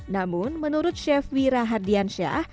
namun menurut chef wira